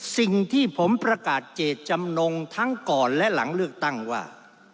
สิ่งที่ผมประกาศเจตจำนงทั้งก่อนและหลังเลือกตั้งว่า